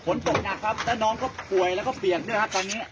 ฝนตกหนักครับแล้วน้องก็ป่วยแล้วก็เปียกด้วยครับตอนนี้